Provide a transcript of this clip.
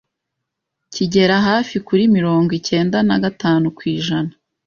kigera hafi kuri mirongo icyenda na gatanu kw’ijana